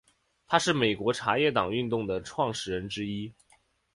他是美国茶叶党运动的创始人之一。